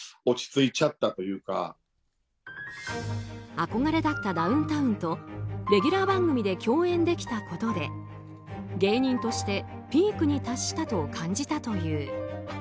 憧れだったダウンタウンとレギュラー番組で共演できたことで芸人としてピークに達したと感じたという。